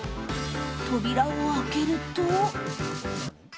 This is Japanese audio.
扉を開けると。